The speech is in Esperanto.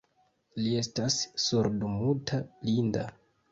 Li estas surdmuta blinda.